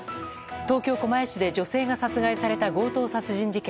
東京・狛江市で女性が殺害された強盗殺人事件。